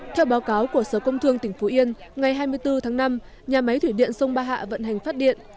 theo báo cáo của sở công thương tỉnh phú yên ngày hai mươi bốn tháng năm nhà máy thủy điện sông ba hạ vận hành phát điện